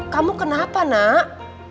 kamu kenapa nak